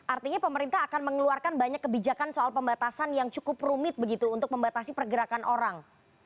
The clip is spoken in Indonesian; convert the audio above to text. artinya pemerintah akan mengeluarkan banyak kebijakan soal pembatasan yang cukup rumit begitu untuk membatasi pergerakan orang